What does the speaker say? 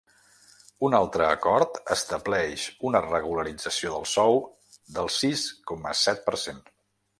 Un altre acord estableix una regularització del sou del sis coma set per cent.